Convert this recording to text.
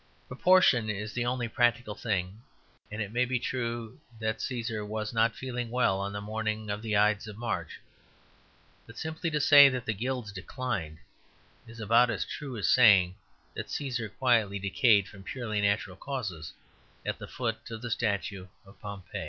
Proportion is the only practical thing; and it may be true that Cæsar was not feeling well on the morning of the Ides of March. But simply to say that the Guilds declined, is about as true as saying that Cæsar quietly decayed from purely natural causes at the foot of the statue of Pompey.